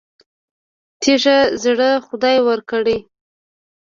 تیږه زړه خدای ورکړی.